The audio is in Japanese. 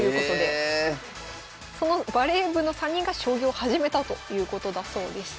そのバレー部の３人が将棋を始めたということだそうです。